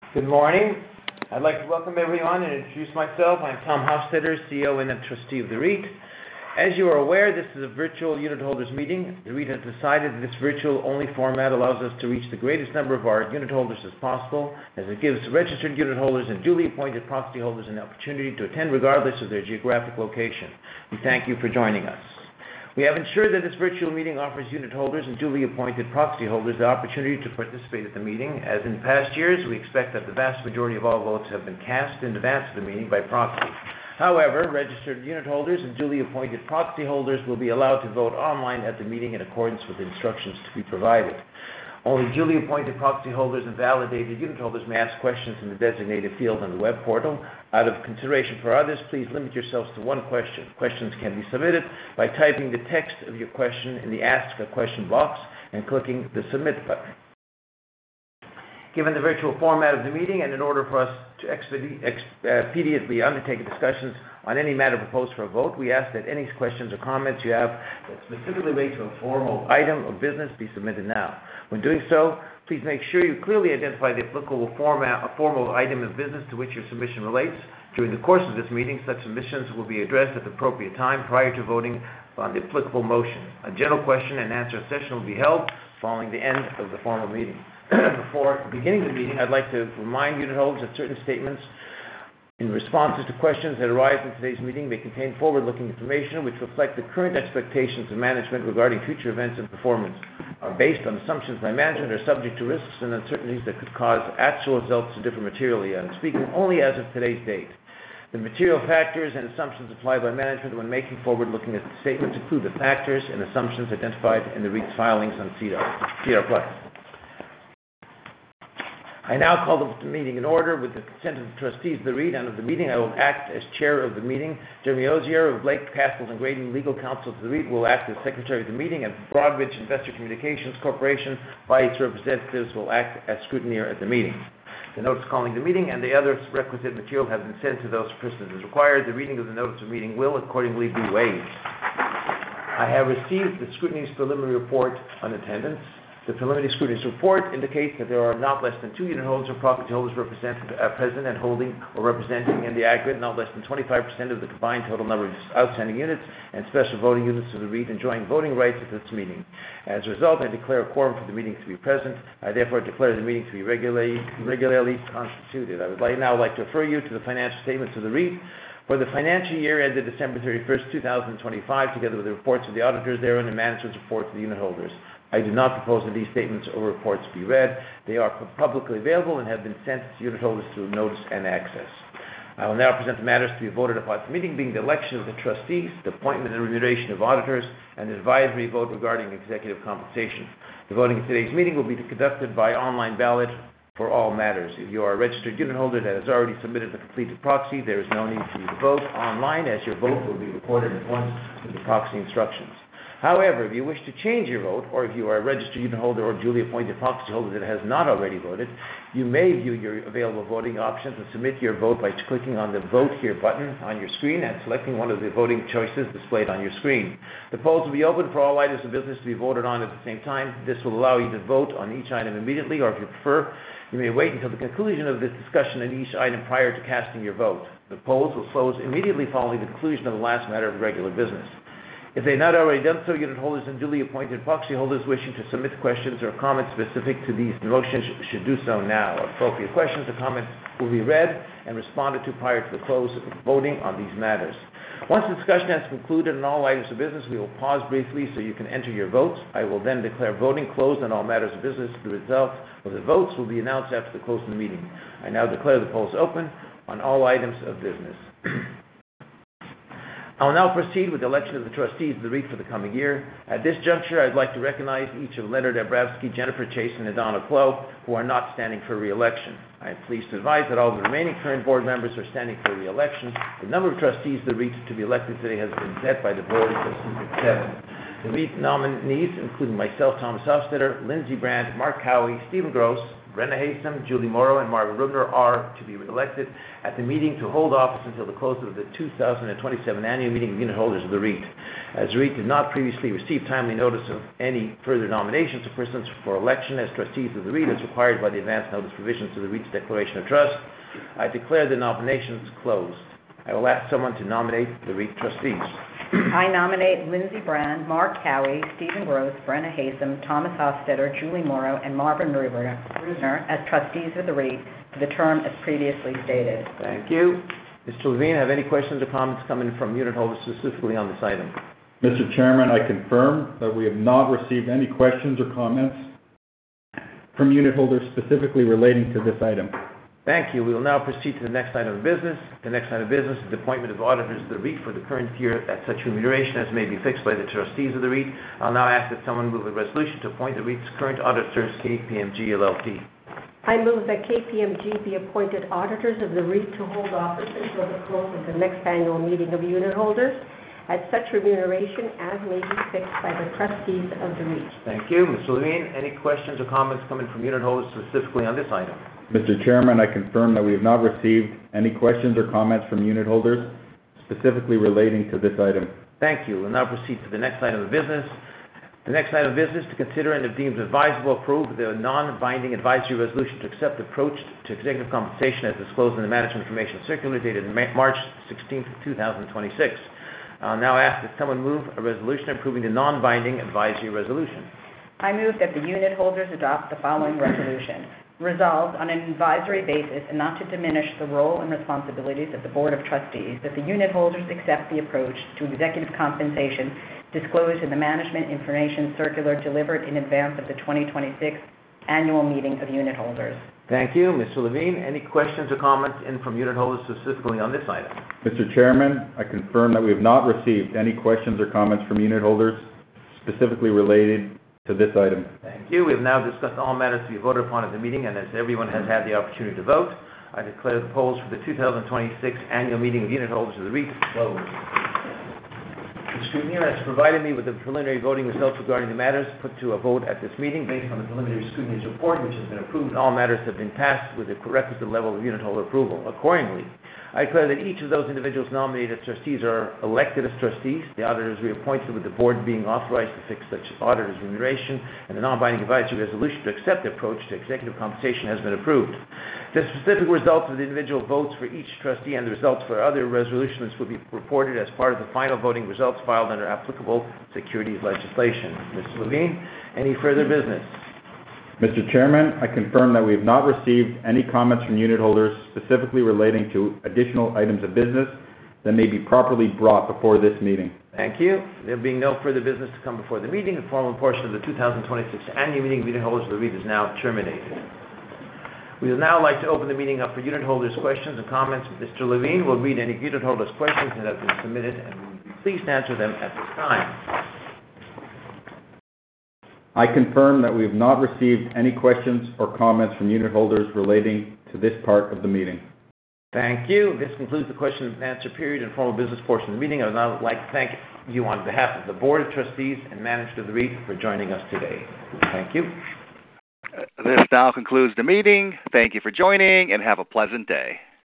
Good morning. I'd like to welcome everyone and introduce myself. I'm Thomas J. Hofstedter, CEO and a trustee of the REIT. As you are aware, this is a virtual unit holders meeting. The REIT has decided this virtual-only format allows us to reach the greatest number of our unit holders as possible, as it gives registered unit holders and duly appointed proxy holders an opportunity to attend regardless of their geographic location. We thank you for joining us. We have ensured that this virtual meeting offers unit holders and duly appointed proxy holders the opportunity to participate at the meeting. As in past years, we expect that the vast majority of all votes have been cast in advance of the meeting by proxy. Registered unit holders and duly appointed proxy holders will be allowed to vote online at the meeting in accordance with the instructions to be provided. Only duly appointed proxy holders and validated unit holders may ask questions in the designated field on the web portal. Out of consideration for others, please limit yourselves to one question. Questions can be submitted by typing the text of your question in the Ask a Question box and clicking the Submit button. Given the virtual format of the meeting and in order for us to expediently undertake discussions on any matter proposed for a vote, we ask that any questions or comments you have that specifically relate to a formal item of business be submitted now. When doing so, please make sure you clearly identify the applicable formal item of business to which your submission relates. During the course of this meeting, such submissions will be addressed at the appropriate time prior to voting on the applicable motion. A general question-and-answer session will be held following the end of the formal meeting. Before beginning the meeting, I'd like to remind unit holders that certain statements in responses to questions that arise in today's meeting may contain forward-looking information which reflect the current expectations of management regarding future events and performance. Based on assumptions by management are subject to risks and uncertainties that could cause actual results to differ materially. I'm speaking only as of today's date. The material factors and assumptions applied by management when making forward-looking statements include the factors and assumptions identified in the REIT's filings on SEDAR+. I now call the meeting to order. With the consent of the trustees of the REIT and of the meeting, I will act as chair of the meeting. Jeremy Ozier of Blake, Cassels & Graydon, legal counsel to the REIT, will act as Secretary of the meeting and Broadridge Investor Communications Corporation by its representatives will act as scrutineer at the meeting. The notice calling the meeting and the other requisite material has been sent to those persons as required. The reading of the notice of meeting will accordingly be waived. I have received the scrutineer's preliminary report on attendance. The preliminary scrutineer's report indicates that there are not less than two unit holders or property holders present and holding or representing in the aggregate not less than 25% of the combined total number of outstanding units and special voting units of the REIT enjoying voting rights at this meeting. I declare a quorum for the meeting to be present. I declare the meeting to be regularly constituted. I now like to refer you to the financial statements of the REIT for the financial year ended December 31st, 2025, together with the reports of the auditors thereon and management's report to the unit holders. I do not propose that these statements or reports be read. They are publicly available and have been sent to unit holders through notice and access. I will now present the matters to be voted upon at the meeting, being the election of the trustees, the appointment and remuneration of auditors, and the advisory vote regarding executive compensation. The voting at today's meeting will be conducted by online ballot for all matters. If you are a registered unit holder that has already submitted a completed proxy, there is no need for you to vote online, as your vote will be recorded at once with the proxy instructions. However, if you wish to change your vote or if you are a registered unit holder or duly appointed proxy holder that has not already voted, you may view your available voting options and submit your vote by clicking on the Vote Here button on your screen and selecting one of the voting choices displayed on your screen. The polls will be open for all items of business to be voted on at the same time. This will allow you to vote on each item immediately, or if you prefer, you may wait until the conclusion of the discussion on each item prior to casting your vote. The polls will close immediately following the conclusion of the last matter of regular business. If they've not already done so, unit holders and duly appointed proxy holders wishing to submit questions or comments specific to these motions should do so now. Appropriate questions or comments will be read and responded to prior to the close of voting on these matters. Once the discussion has concluded on all items of business, we will pause briefly so you can enter your votes. I will then declare voting closed on all matters of business. The results of the votes will be announced after the close of the meeting. I now declare the polls open on all items of business. I'll now proceed with the election of the trustees of the REIT for the coming year. At this juncture, I'd like to recognize each of Leonard Abramsky, Jennifer Chasson, and Donald Clow, who are not standing for re-election. I am pleased to advise that all the remaining current board members are standing for re-election. The number of trustees of the REIT to be elected today has been set by the board as 7. The REIT nominees, including myself, Thomas J. Hofstedter, Lindsay Brand, Mark Cowie, Stephen Gross, Brenna Haysom, Julie Morrow, and Marvin Rudner, are to be elected at the meeting to hold office until the close of the 2027 annual meeting of unit holders of the REIT. As the REIT did not previously receive timely notice of any further nominations of persons for election as trustees of the REIT, as required by the advance notice provisions of the REIT's declaration of trust, I declare the nominations closed. I will ask someone to nominate the REIT trustees. I nominate Lindsay Brand, Mark Cowie, Stephen Gross, Brenna Haysom, Thomas J. Hofstedter, Julie Morrow, and Marvin Rudner as trustees of the REIT for the term as previously stated. Thank you. Mr. Levine, have any questions or comments coming from unit holders specifically on this item? Mr. Chairman, I confirm that we have not received any questions or comments from unit holders specifically relating to this item. Thank you. We will now proceed to the next item of business. The next item of business is appointment of auditors of the REIT for the current year at such remuneration as may be fixed by the trustees of the REIT. I'll now ask that someone move a resolution to appoint the REIT's current auditors, KPMG LLP. I move that KPMG be appointed auditors of the REIT to hold office until the close of the next annual meeting of unit holders at such remuneration as may be fixed by the trustees of the REIT. Thank you. Mr. Levine, any questions or comments coming from unit holders specifically on this item? Mr. Chairman, I confirm that we have not received any questions or comments from unit holders specifically relating to this item. Thank you. We'll now proceed to the next item of business. The next item of business to consider and if deemed advisable, approve the non-binding advisory resolution to accept approach to executive compensation as disclosed in the Management Information Circular dated March 16th, 2026. I'll now ask that someone move a resolution approving the non-binding advisory resolution. I move that the unitholders adopt the following resolution. Resolved on an advisory basis and not to diminish the role and responsibilities of the board of trustees, that the unitholders accept the approach to executive compensation disclosed in the Management Information Circular delivered in advance of the 2026 annual meeting of unitholders. Thank you, Mr. Levine. Any questions or comments in from unitholders specifically on this item? Mr. Chairman, I confirm that we have not received any questions or comments from unitholders specifically related to this item. Thank you. As everyone has had the opportunity to vote, I declare the polls for the 2026 annual meeting of unitholders of the REIT closed. The scrutineer has provided me with the preliminary voting results regarding the matters put to a vote at this meeting based on the preliminary scrutineer's report, which has been approved, and all matters have been passed with the requisite level of unitholder approval. Accordingly, I declare that each of those individuals nominated as trustees are elected as trustees. The auditors we appointed with the board being authorized to fix such auditors remuneration and the non-binding advisory resolution to accept the approach to executive compensation has been approved. The specific results of the individual votes for each trustee and the results for other resolutions will be reported as part of the final voting results filed under applicable securities legislation. Mr. Levine, any further business? Mr. Chairman, I confirm that we have not received any comments from unitholders specifically relating to additional items of business that may be properly brought before this meeting. Thank you. There being no further business to come before the meeting, the formal portion of the 2026 annual meeting of unitholders of the REIT is now terminated. We would now like to open the meeting up for unitholders' questions and comments. Mr. Levine will read any unitholders' questions that have been submitted, and will you please answer them at this time. I confirm that we have not received any questions or comments from unitholders relating to this part of the meeting. Thank you. This concludes the question and answer period and formal business portion of the meeting. I would now like to thank you on behalf of the board of trustees and management of the REIT for joining us today. Thank you. This now concludes the meeting. Thank you for joining, and have a pleasant day.